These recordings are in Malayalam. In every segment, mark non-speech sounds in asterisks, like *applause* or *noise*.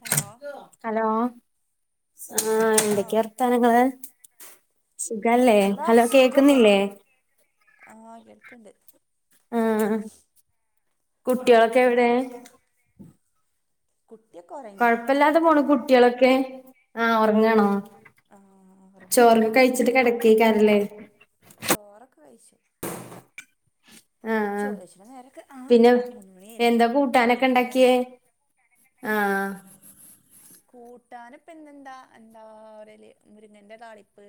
ഹലോ ഹലോ ആഹ് ഹലോ എന്തൊക്കെ വർത്താനങ്ങള് സുഖല്ലേ എന്താ ഹലോ സുഖം കേക്കുന്നില്ലേ പോണ് ആഹ് കേൾക്ക്ണ്ട് ആഹ് കുട്ട്യേളൊക്കെ എവിടെ കുട്ടിയൊക്കൊ ഒറ കൊഴപ്പല്ലാതെ പോണ് കുട്ട്യേളൊക്കെ ആഹ് ഉറങ്ങണോ ആഹ് ഒറങ്ങാലെ ച്ചിട്ട് കടക്കേക്കാരല്ലേ ചോറൊക്കെ വെയ്ച്ചു ആഹ് ആഹ് കഴിച്ച്ണ നേരൊക്കെ ആഹ് പിന്നെ മൂന്ന് മണിയായില്ലേ എന്താ കൂട്ടാനൊക്കെ എണീക്കാൻ ഇണ്ടാക്കിയേ നേരായി ആഹ് കൂട്ടാന് ഇപ്പം ഇന്നെന്താ എന്താ പറേല് മുരിങ്ങന്റെ താളിപ്പ്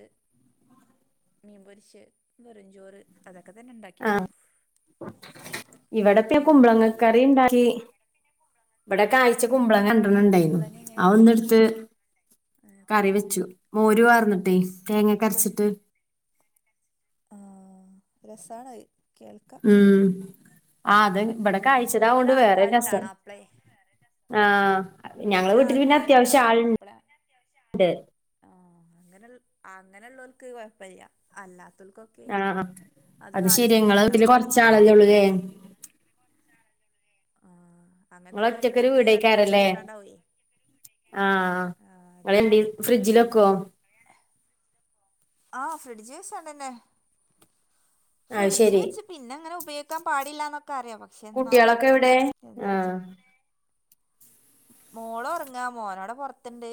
മീൻപൊരിച്ച വെറും ചോറ് അതക്കെ തന്നെ ണ്ടാക്കിട്ടുള്ളു വേറൊന്നും ഇല്ല ഇണ്ടാക്കി ബടെ കായ്ച കുമ്പളങ്ങ രണ്ടണ്ണം ഇണ്ടായിന്നു കുമ്പളങ്ങ ഇങ്ങനെ ആ ഒന്ന് എടുത്ത് കറി വെച്ചു മോര് പാർന്നിട്ടേയ് കു തേങ്ങക്കരച്ചിട്ട് ആഹ് രസാണത് കേൾക്ക ഉം ആ അത് ഇവടെ കൂടുതൽ കായ്ച്ചതാകൊണ്ട് വേറെ രസം ആൾക്കാരുണ്ടാണോ അപ്പളേ ആഹ് ഞങ്ങള കൂടുതൽ വീട്ടില് പിന്നെ അത്യാവശ്യം ആൾക്കാരുണ്ടാവണേ ആള് ഇണ്ട് ആ അങ്ങനെ അങ്ങനെ ഉള്ളോർക്ക് കൊഴപ്പല്ല്യാ അല്ലാത്തോൽ ക്കൊ ആഹ് അത് ശെരിയാ ഇങ്ങളെ വീട്ടില് ആ കറി കൊറച്ചാളല്ലേ ഒള്ളുലെ ആഹ് അങ്ങന്ത്തെ കറ്യൊക്കെ ഒറ്റക്കൊരു ഇണ്ടാക്കിയാ രണ്ട് മൂന്നീസം വീടേക്കാരല്ലേ കൂട്ടാൻ ഇണ്ടാവുലെ ആഹ് ആഹ് ഇങ്ങള് അതെ എന്തി ഫ്രിഡ്ജില് വെക്കോ ആഹ് ഫ്രിഡ്ജി വെച്ചാണ്ടന്നെ അത് ഫ്രിഡ്ജ് ശെരി വെച്ച് പിന്നെ ഇങ്ങനെ ഉപയോക്കാൻ പാടില്ല ന്നൊക്കെ അറിയാ പ എന്നാലും കുട്ടികളൊക്കെ എവിടെ എന്താ ചെ ആഹ് മോളൊറങ്ങാ മോന് അവ്ടെ പൊർത്ത്ണ്ട്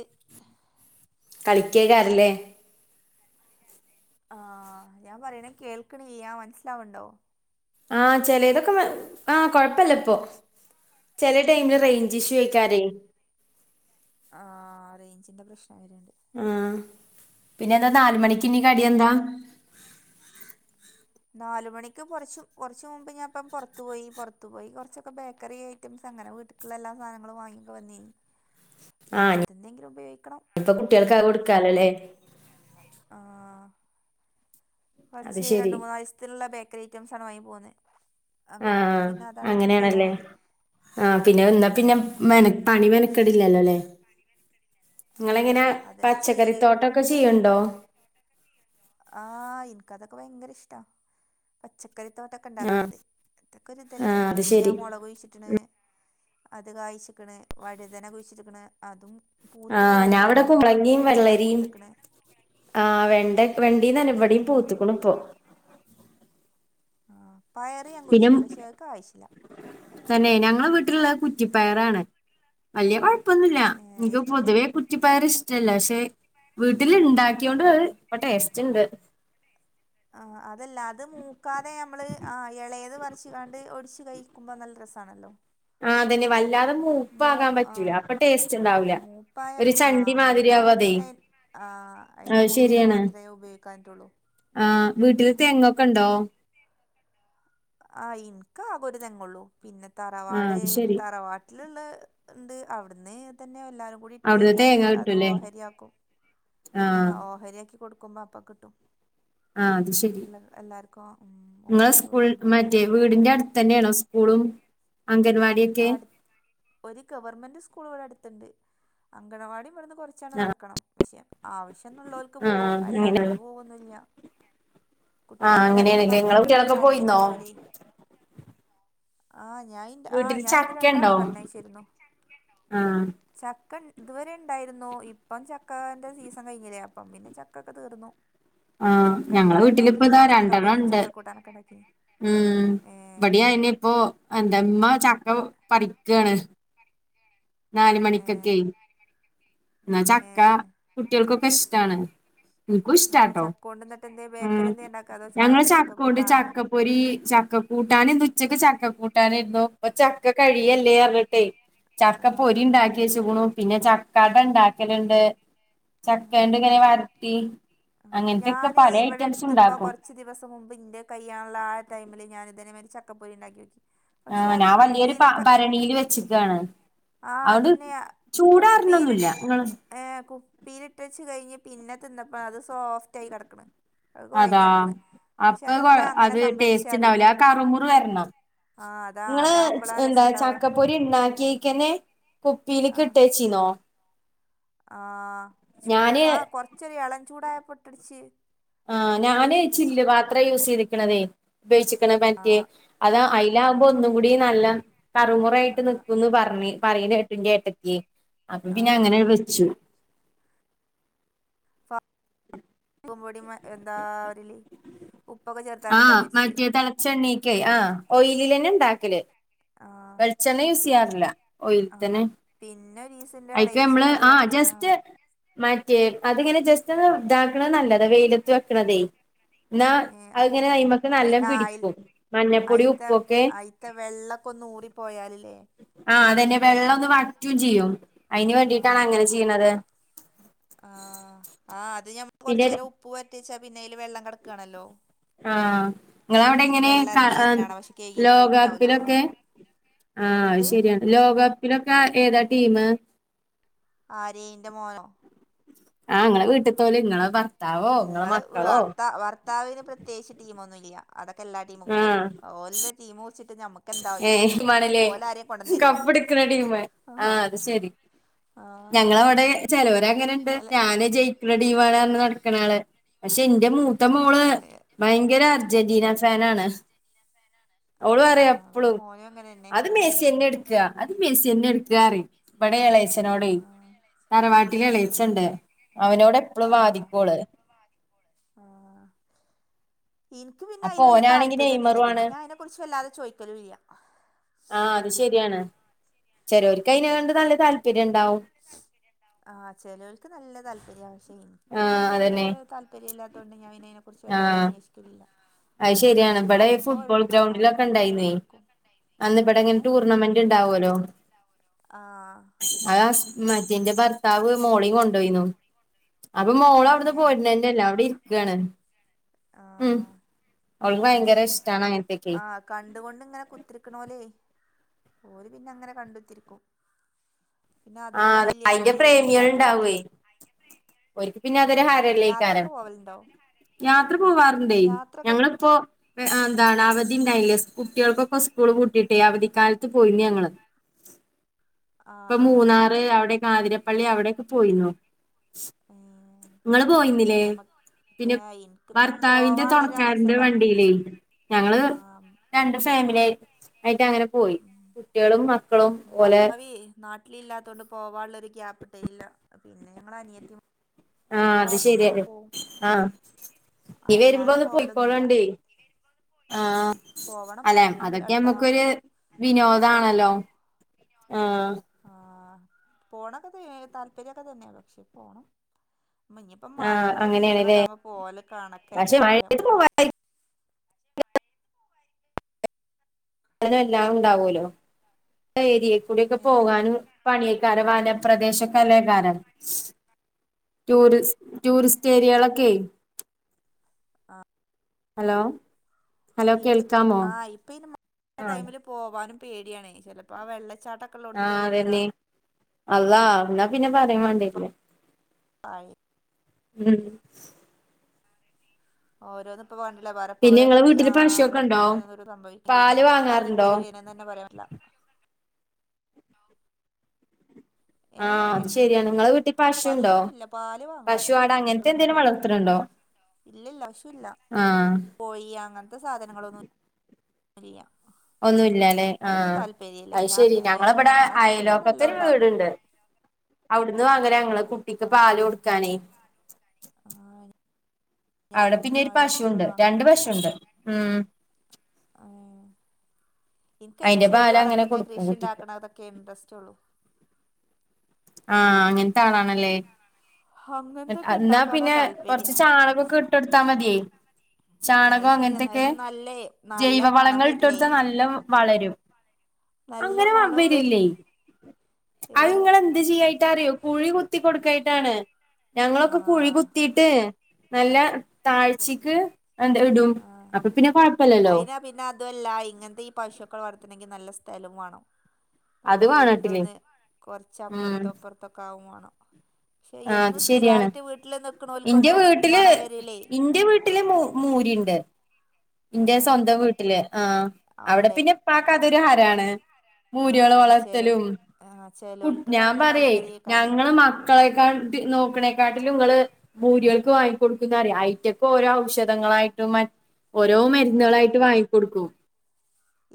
കളിക്കേയ്ക്കാരല്ലേ ആഹ് ഞാൻ പറീണ കേൾക്കണ്ല്ല്യാ മൻസ്സിലാവ്ണ്ടോ ആഹ് ചെലേതൊക്കെ മ ആഹ് കൊഴപ്പല്ല ഇപ്പൊ ചെലെ ടൈമില് റേഞ്ച് ഇഷ്യു ആയ്ക്കാരേയ് ആഹ് റേഞ്ചിന്റെ പ്രശ്നം വര്ണ്ട് ആഹ് പിന്നെന്താ നാല് മണിക്കിനി പിന്നെ കടിയെന്താ നാലു മണിക്ക് കൊറച്ച് കൊറച്ച് മുമ്പ് ഞാന്പ്പം പൊറത്ത് പോയി പൊറത്തു പോയി കൊറച്ചൊക്കെ ബേക്കറി ഐറ്റംസ് അങ്ങനെ വീട്ട് ക്ക്ള്ളെ എല്ലാ സാനങ്ങളും വാങ്ങിയൊക്ക വന്നേനി ഇനി ആഹ് അതെന്തെങ്കിലും ഉപയോഗിക്കണം ഇഞ്ഞ്പ്പം കുട്ട്യൾക്ക് അഹ് കൊടുക്കാല്ലോല്ലേ ക്കാല്ലോല്ലേ ആഹ് അത് കൊർച്ച് രണ്ട്, ശരി മൂന്ന് നാലീസത്തിന്ള്ളെ ബേക്കറി ഐറ്റംസാട്ന്ന് വാങ്ങി പോന്ന് ആഹ് അങ്ങനെയാണല്ലേ ആഹ് പിന്നെ എന്താ പിന്നെ ആ, മെന പണി മെനക്കട്ല്ലല്ലോല്ലേ ആ, ഇങ്ങളെങ്ങനാ അതന്നെ ചെയ്യല് പച്ചക്കറിത്തോട്ടം ഒക്കെ ചെയ്യ്ണ്ടോ? ആഹ് ഇന്ക്ക് അതൊക്കെ ഭയങ്കര ഇഷ്ടാ പച്ചക്കറിത്തോട്ട ക്ക ആഹ് ഇണ്ടാക്ക്ണത് ഇതൊക്കൊര് ഇതല്ലേ ആഹ് അത് ഇപ്പ ശരി ഞാൻ മൊളക് കുഴിച്ചിട്ട്ണ് അത് കായിച്ച്ക്ക്ണ് വഴുതന കുഴിച്ച്ട്ട്ക്ക്ണ് അതും പൂത്ത് ആഹ് ഞാൻ വെര്ണ്ട് ഇവിടെ കുമ്പളങ്ങിയും വെണ്ട വെള്ളരിയും പൂത്ത്ക്ക്ണ് ആഹ് വെണ്ട വെണ്ടീന്നന്നെ ഇവടീം ആഹ് പൂത്ത്ക്ക്ണ് ഇപ്പോ ആഹ് പയർ ഞാൻ പിന്നെ കുഴിച്ചിട്ട് പക്ഷേ അഹ് കായിച്ചില്ല തന്നെ ഞങ്ങളെ വീട്ടില്ള്ളെ കുറ്റിപ്പയറാണ് വല്ല്യ കൊഴ പ്പൊന്നുല്ല ഇന്ക്ക് ഏഹ് പൊതുവേ കുറ്റിപ്പയർ ഇഷ്ടല്ല പക്ഷേ വീട്ടില് ഇണ്ടാക്കിയോണ്ട് അഹ് ആഹ് ഇപ്പം ടേസ്റ്റ്ണ്ട് ആഹ് അതല്ല അത് മൂക്കാതെ ഞമ്മള് ആഹ് എളേത് പറിച്ച്ക്കാണ്ട് ഒടിച്ച് കഴിക്കുമ്പോ നല്ല രസാണല്ലോ ആഹ് അതന്നെ വല്ലാതെ മൂ മൂപ്പാകാൻ ആ പറ്റൂല അപ്പൊ ടേസ്റ്റ് ഇണ്ടാവൂല മൂപ്പായ ഒരു ചണ്ടി മാതിരിയാവും അത് ആഹ് അയിന്റെ കുരു മാത്രേ ഉപയോഗിക്കാറ്റോള്ളു ആഹ് വീട്ടില് തെങ്ങൊക്കണ്ടോ? ആഹ് ഇന്ക്കാ ആകൊരു തെങ്ങോള്ളു പിന്നെ ആ തറവാട് അത് ശരി തറവാ ട്ടില്ള്ളെ ഇണ്ട് അവിടുന്ന് തന്നെ എല്ലാരും കൂടി ഇട്ട് അവിടുന്ന് കഴിഞ്ഞാല് തേങ്ങ അത് കിട്ടൂല്ലേ ഓഹരിയാക്കും ആ ആഹ് ഓഹരിയാക്കി കൊടുക്കുമ്പോ അപ്പം കി ആഹ് അത് ശരി എല്ലാവർക്കും ഇങ്ങളെ ഓരിച്ച് സ്കൂൾ കൊടുക്കുമ്പോഴേ മറ്റേ വീട്ന്റെ അടുത്തന്നേണോ സ്കൂളും അങ്കൻവാ അട് ഒരു ഗവൺമെന്റ് സ്കൂള് ഇവടെ അട്ത്ത്ണ്ട് അങ്കണവാടിം ഇവട്ന്ന് കൊറ ച്ചാണ്ട് ആ നടക്കണം പക്ഷേ ആവശ്യന്ന്ള്ളോല്ക്ക് ആ പോവും അങ്ങനെയാണ് അല്ലാത്തോല് പോവൊന്നില്ല ആ കുട്ടിയളെ അങ്കലവാടിക്ക് അങ്ങനെയാണല്ലേ നിങ്ങളെ പറഞ്ഞേക്കണെന്ന് കുട്ടികളൊക്കെ പോയിന്നോ താല്പര്യള്ളോലെ ആഹ് ഞാൻ ഇന്റെ ആഹ് വീട്ടില് ഞാൻ ഇന്റെ ചക്ക ഉണ്ടോ രണ്ടാളിം പറഞ്ഞയച്ചിരുന്നു ആ ചക്ക ഇതുവരെ ഇണ്ടായിരുന്നു ഇപ്പം ചക്കാന്റെ സീസൺ കഴിഞ്ഞീല്ലേ അപ്പം പിന്നെ ചക്കൊക്കെ തീർന്നു ആഹ് ചക്ക ഞങ്ങളെ ഉണ്ടായ വീട്ടില് ടൈമിൽ ഇപ്പതാ ഞാൻ രണ്ടെണ്ണം ചക്കപ്പൊരിയും ഇണ്ട് ചക്കക്കൂട്ടാനൊക്കെ ഉണ്ടാക്കി ഉം ഏ ഇബടിം അയെന്നെ ഇപ്പോ എന്താ ഇമ്മാ ചക്കപ്പൊ പറിക്കാണ് നാല് ഏ മണിക്കക്കെ ഇന്നാ ഏ ചക്ക കുട്ടിയൾക്കൊക്കെ ഇഷ്ടാണ് ഇന്ക്കും ആ ഇഷ്ടാട്ടോ ചക്ക കൊണ്ട് എന്നിട്ട് എന്തേ ഉം ബേക്കറി എന്തേ ഉണ്ടാക്കുക അതോ ചാ ഞങ്ങള് ചാക്കോണ്ട് ചക്കക്കൂട്ടാനോ ചക്ക പൊരി ചക്ക കൂട്ടാന് ഇന്ന് ഉച്ചക്ക് ചക്ക കൂട്ടാനേരുന്നു ഇപ്പ ചക്ക ആ കഴിയല്ലേയർഞ്ഞ്ട്ടെ ആ ക്ക പൊരി ആ ഇണ്ടാക്കി വെച്ച്ക്ക്ണു പിന്നെ ചക്ക അട ഇണ്ടാക്കല്ണ്ട് ആ ചക്കേന്റെ ഇങ്ങനെ വരട്ടി ആ അങ്ങത്തെക്കെ പലേ ഐറ്റംസ് ഇണ്ടാക്കും ട്ട് മുമ്പ് ഇന്റെ കയ്യ്യാണള്ളെ ആ ടൈമില് ഞാന് ഇതേമാരി ചക്കപ്പൊരി ഇണ്ടാക്കിയോക്കി ആഹ് ഞാൻ വല്ല്യോര് പ ഭരണീല് വെച്ച്ക്കാണ് ആഹ് അതന്നെയാ കുപ്പീല് നിങ്ങള് ഏഹ് കുപ്പീല് ഇട്ടച്ച് കഴിഞ്ഞ് പിന്നെ തിന്നപ്പോ അത് സോഫ്റ്റായി കടക്ക്ണ് അതാ അപ്പ അഹ് കൊ അതെന്താ അങ്ങനെ അത് സംഭവിച്ച ടേസ്റ്റ് അറിയില്ല ഇണ്ടാവുല്ല ആ കറ്മുറ് വരണം ആ അതാ ഇങ്ങള് അതാവുമ്പോഴാ എന്താ രസം ഉണ്ടാവുക ചക്ക പ്പൊ രി ഇണ്ടാക്കി ക്കന്നെ കുപ്പില്ക്ക് ഇട്ടച്ചീന്നോ? ആഹ് ചൂട് ഞാന് ആ കൊറച്ചൊരു എളം ചൂടായപ്പം പെട്ടട്ച്ച്. ആ ഞാന് ചില്ല് പാത്ര യൂസ് ചെയ്ത്ക്ക്ണതേ. ഉപയോഗിച്ചിക്കണ ആ മറ്റേ അതാ ആ അയിലാകുമ്പോ ഒന്നു കൂടി നല്ല കറുമുറു ആ ആയിട്ട് ന്ക്കുന്ന് പറഞ്ഞ് പറയ്ണേട്ട് ഇന്റെ ഏട്ടത്ത്യേ. അപ്പൊ ആ പിന്നെ അങ്ങനാണ്ട് വെച്ചു ഉം പൊടിം മ എന്താ പറിയല് ആഹ് മറ്റേ തെളച്ചെണ്ണേക്കെ ആ ഓയിലിലന്നെ ഇണ്ടാക്കല് ആഹ് വെളിച്ചെണ്ണ യൂസ് ഇ ചെയ്യാറില്ല ഓയിൽ തന്നെ ആ് പിന്നൊരീസം അയിക്ക് ഞമ്മള് ആഹ് ജസ്റ്റ് മറ്റേ അതിങ്ങനെ ജസ്‌റ്റൊന്ന് ഇതാക്ക്ണത് നല്ലതാ വെയിലത്ത് വെക്ക്ണതേ ഇന്നാ ഏ അഹ്ങ്ങനെ അയിമക്ക് അയി നല്ലോം പിടിക്കും മഞ്ഞപ്പൊടി, ഉപ്പൊക്കെ അയ്ത്തെ വെള്ളക്കൊന്ന് ഊറിപ്പോയാലല്ലേ ആഹ് അതന്നെ വെള്ളൊന്ന് വറ്റും ചെയ്യും അതിന് ആ വേണ്ടിട്ടാണ് അങ്ങനെ ചെയ്യ്ണത് ആഹ് ആ അത് ഞമ്മള് പിന്നെ കൊറച്ചേരം ഉപ്പ് പരറ്റി വെച്ചാ പിന്നയ്ല് വെള്ളം കെടക്കാണല്ലോ? ആഹ് അയിന്ന് ഇങ്ങളവിടെങ്ങനെ വെള്ളം ക എറങ്ങി എഹ് വരുന്നാണാ പക്ഷെ കെയ്കീട്ട് പോലും ഉണ്ടാവൂല ലോകകപ്പിലൊക്കെ? ആഹ് അഹ് എന്ത് ശരിയാണ് ലോകകപ്പിലൊക്കെ ഏതാ ടീമ്? ആര് ഇന്റെ മോനോ? ആഹ് ഇങ്ങളെ വീട്ട്ത്തോല് ഇങ്ങളെ ഭർത്താ ഇങ്ങള് ഭർത്ത ഭർത്ത ഭർത്താവിന് പ്രത്യോകിച്ച് ടീമൊന്നും ഇല്ല്യ അതൊക്കെ എല്ലാ ടീമുക്കും കൂടും ഓല്തെ ടീമ് പുടിച്ചിട്ട് നമുക്ക് എന്ത് ഏഹേ ടീമാണ്ലേ? കപ്പ് എടുക്ക്ണ ടീമ് ആ ആഹ് അത് ശരി ആ ഞങ്ങളെവടെ ചെലോരങ്ങനെണ്ട് അല്ല ഞാന് ജയി ക്ക്ണ ടീമാള് പറഞ്ഞ് നടക്ക്ണാള് പക്ഷെ ഇന്റെ മൂത്ത ഏ മോള് ഭയങ്കര അർജന്റീന ഫാ നാണ് ഓള് പറയാ ഇവടെ മോനും അങ്ങനന്നെ മെസ്സി തന്നെ എടുക്ക അത് മെസ്സി തന്നെ എട്ക്കാറിയും ഇബടെ എളേയച്ചനോടെ തറവാട്ടില് എളയച്ചെണ്ട് ആഹ് അവനോട് എപ്പളും ആഹ് വാദിക്കോള് ആഹ് ഇൻക്ക് പിന്നെ അപ്പൊ അയില് വല്ല്യ ഓനാണെങ്കി താല്പര്യൊന്നുല്ല്യ നെയ്മറും പിന്നെ ആണ് ഞാൻ അയിനെ കുറിച്ച് വല്ലതെ ചോയ്ക്കലു ഇല്ല്യ ആഹ് അത് ശരിയാണ് ചെരോൽക്ക് അയിനെ കൊണ്ട് നല്ല താല്പര്യംണ്ടാവും ആഹ് ചെലോൽക്ക് നല്ല താല്പര്യാ പക്ഷെ ഇൻക്ക് ആഹ് വല്യേ അതന്നെ താല്പര്യല്ലാത്തോണ്ട് ഞാൻ പിന്നയിനെ കുറിച്ച് വെല്ലാതെ അന്വേഷിക്കലില്ല അഹ് ശരിയാണ് ഇബടെ ഈ പറയുമ്പോ ഓരോ ഫുട്ബോൾ ആഹ് ഗ്രൗണ്ടിലൊക്കെ ഓരോരുത്തര് പറയുമ്പോ ഇണ്ടായിന്നേ കേക്കും അന്ന് ഇബടെങ്ങനെ ഏഹ് ടൂർണമെന്റ് ഇണ്ടാവൊല്ലോ? ആഹ് അത് ഹസ് മറ്റേന്റെ ഭർത്താവ് മോളിം കൊണ്ടോയിന്നു അപ്പൊ മോള അവിടുന്ന് ഏഹ് പോര്നന്നെല്ല അവിടെയിരിക്കാണ് ഉം ആഹ് അവൾക്ക് പിന്നെ ഭയങ്കര ഈ ഇഷ്ടാണ് അങ്ങനത്തൊക്കെ ആ കണ്ടുകൊണ്ട്ങ്ങനെ കുത്തിരിക്ക്ണോല്ലേ ഓര് പിന്നങ്ങനെ കണ്ടുത്തിരിക്കും പിന്നെ ആഹ് അതൊന്നും അതെ വല്ല്യ അയിന്റെ ഒരു പ്രേമികൾ ഇതില്ലാത്തോണ്ടേ ഉണ്ടാവേ ഓര്ക്ക് പിന്നെ അതൊരു ആഹ് ഹരല്ലേക്കാരം യാത്രൊക്കെ പോവല്ണ്ടോ? യാത്ര പോവാറ്ണ്ടേ ഞങ്ങളിപ്പോ എന്താണ് ഉം അവധി ഉണ്ടായില്ലേ കുട്ടികൾക്കൊക്കെ സ്കൂള് കൂട്ടിയിട്ടേ അവധിക്കാലത്ത് പോയിന്ന് ഞങ്ങള് ആഹ് ഇപ്പൊ ആഹ് മൂന്നാറ് അവിടെ കാതിരപ്പള്ളി അവിടെക്കെ പോയി ഉം നമക്ക് പിന്നെ എനിക്ക് പിന്നെ ഭർത്താവിന്റെ പോവാള്ളൊര തൊണക്കാരന്റെ അവസവാ വണ്ടിയിലേ ഞങ്ങള് ആഹ് രണ്ട് ഫാമിലിയി ആയിട്ട് അങ്ങനെ പോയി കുട്ടികളും മക്കളും ഓലെ ഭർത്താവവി നാട്ടിലില്ലാത്തൊണ്ട് പോവാനുള്ളൊരു ക്യാപ്പിട്ടേല്ല പിന്നെ ഞങ്ങൾ അനിയത്തി അത് ആഹ് ഒപ്പമാ ശരിയാണ് പോവും ആഹ് ഉം നീ വരുമ്പോ അല്ലാതെ ഒന്ന് പോവലൊന്നുല്ല പോയിക്കോളണ്ടി ആഹ് പോവണം അല്ലെ വരുണ്ട് അതൊക്കെ അടുത്ത നമ്മുക്കൊരു മാസം അപ്പൊ വിനോദാണല്ലോ നോക്കണം ആഹ് ആഹ് പോണൊക്കെ താല്പര്യമൊക്കെ തന്നെയ പക്ഷെ പോണം മഞ്ഞിപ്പോ ആഹ് മഴന്റെ അങ്ങനെയാണല്ലേ സീസണക്കെ ആവുമ്പോ പോവല പക്ഷെ കണക്കന്നീക്കാരം മഴയത്ത് പോവാതിരിക്കാനും അന എല്ലാം ഉണ്ടാവുല്ലോ ഏരിയകൂടെ ക്കെ ഏഹ് പോകാനും പണിയക്കാര വനപ്രദേശകല്ലേകാരം ടൂറിസ് ടൂറിസ്റ്റ് ഏരിയളൊക്കെ ആഹ് ഹലോ ഹലോ ഇപ്പ കേൾക്കാമോ ആഹ് ഇപ്പ ഇനി മഴ ആഹ് ടൈമില് പോവാനും പേടിയാണ് ചിലപ്പോ ആ വെള്ളച്ചാട്ട ആഹ് അതെന്നെ അല്ലാഹ് എന്നാ പിന്നെ പറയാൻ ഓരോരുത്തര് വേണ്ടില്ലേ *inaudible* ഉം ഓരോന്നും ഇപ്പ കണ്ടില്ലേ വേറെപ്പ പിന്നെ ഇങ്ങളെ വിടെടുത്ത് വീട്ടില് ആഹ് പശുവൊക്കെ ഉണ്ടോ അവിടെടുത്തന്നെ സംഭവിക്ക പാല് *unintelligible* വാങ്ങാറുണ്ടോ *unintelligible* പറയാപറ്റില്ല ആഹ് ഏഹ് അതു ശെരിയാണ് ങ്ങള വീട്ടിൽ പശുണ്ടോ പശുവൊന്നുല്ല പാല് പശു വാങ്ങാറുണ്ട് ആട് അങ്ങനത്തെ എന്തേലും വളർത്തിണ് ണ്ടോ ഇല്ലില്ലപശുല്ല കോയി അങ്ങനത്തെ സാധനങ്ങളൊന്നും യില്ല്യ ഒന്നുല്ലല്ലേ ആഹ് ഞാൻ അയ്ശെരി ഏഹ് ഞങ്ങളവിടെ ഞാൻ ചെടി നല്ലോം അയലോക്കത്തരു ഉണ്ടാക്കും വീടുണ്ട് അവിടുന്ന് വാങ്ങല ഞങ്ങള് ട്ടിക്ക് പാലെടുക്കാനേ ആഹ് അവിടെ ഞാനും പിന്നെരു ഒരു പശുണ്ട് മനുഷ്യനോട് വാങ്ങലാ രണ്ട് പശുണ്ട് ഉം ആഹ് ഇനിക്ക് അയ്ൻ അയിന്റെ ചെടി പാല് അങ്ങനെ വളർത്തണെ കൊടുക്കും കൃഷി കുട്ടിക്ക് ഉണ്ടാക്കണ അതൊക്കെ ഇൻട്രസ്റ്റ് ഉള്ളു ആഹ് അങ്ങത്തെ ആളാണല്ലേ അങ്ങനത്തൊക്കെ ന്നാ ഉണ്ടാക്കാനാ പിന്നെ കൊറച്ച് താല്പര്യം ചാണകക്കെ ഇട്ടടുത്താ മതിയെ ചാണക അത് ശരിയെന്ന അങ്ങനത്തൊക്കെ അതിന് നല്ലേ നല്ല ജൈവ മണം വരില്ലേ വളങ്ങളിടോടുത്ത നല്ല വളരും നല്ല അങ്ങനെ മണം വ വവരില്ലേ ഏ അതിങ്ങളെ എന്തു ചെയ്യായിട്ടറിയോ കുഴി കുത്തി കൊടുക്കായിട്ടാണ് ആ ഞങ്ങളൊക്കെ കുഴി കുത്തിട്ട് നല്ല താഴ്ചക്ക് എന്താ ഇടും ആ അപ്പൊ പിന്നെ കൊ ഴപ്പില്ലല്ലോ അയിനാ പിന്നെ അതൊല്ല ഇങ്ങനത്തെ ഈ പശുക്കൾ വളർത്തണങ്കിനല്ല സ്ഥലും വേണം നമ്മളെ അത് വാണട്ടില്ലേ വീടിന്റെവിടന്നുകൊറച്ച ഉം പ്പുറത്തോ ഇപ്പുറത്തൊക്കെ ആവോം വേണം ക്ഷെ ആഹ് അത് എന്നും ശരിയാണ് സ്ഥിരായിട്ട് വീട്ടിൽ ഇന്റെ നിൽക്കണോലക്കൊന്നും വീട്ടില് മണം വരില്ലേ ഇന്റെ വീട്ടില് മൂരിണ്ട് ഏ എന്റെ സ്വന്തം വീട്ടില് ആഹ് അവിടെ പിന്നെ ഇപ്പക് അതൊരു ഹരാണ് ആഹ് മൂരികളെ അതന്നെ ചേലോ വളർത്തലും ആഹ് ചേലോൽക്ക് ഞാൻ നല്ല പറയെ താല്പര്യേക്കാരം ഞങ്ങള്മ മക്കളെക്കാട്ടി നോക്കണേക്കാട്ടിലും നിങ്ങള് മൂരികൾക്ക് വാങ്ങി കൊടുക്കുന്ന അറിയ ഐറ്റക്കോരോ ഔഷധങ്ങളായിട്ടും മറ്റ ഓരോ ആഹ് മരുന്നുകളായിട്ട് വാങ്ങികൊടുക്കും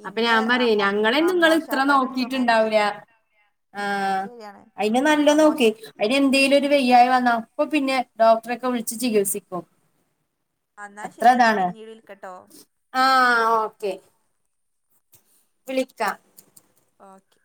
അപ്പൊ ഇന്റെ ഞാൻ പറ്യേ അമ്മോ ഞങ്ങളെന്നും ങ്ങള്ത്ര അമ്മോശാക്കാന്റെ അടുത്തും നോക്കിട്ടുണ്ടാവൂല അങ്ങനെന്നെയായിരുന്നു ആഹ് അത് ശരിയാണ് അയിനെ നല്ലൊ അമ്മോശ നോക്കെ അയ്ന് എന്തേലു ഒരു വയ്യായി വന്ന അപ്പൊ പിന്നെ ഡോക്ടറെക്കെ വിളിച്ച് ചികിത്സിക്കും അന്ന അത്ര ശെരി ഞാൻ ഇതാണ് പിന്നീട് വിൽക്കട്ടോ ആഹ് ഓക്കെ *inaudible* വിളിക്ക ഓകെ